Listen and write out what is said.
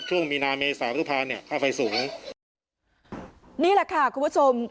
ช่วงมีนาเมษาพฤษภาเนี่ยค่าไฟสูงนี่แหละค่ะคุณผู้ชม